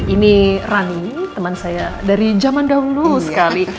ini rani teman saya dari zaman dahulu sekali